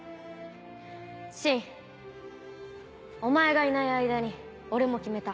信お前がいない間に俺も決めた。